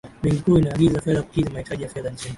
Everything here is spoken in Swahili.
benki kuu inaagiza fedha kukidhi mahitaji ya fedha nchini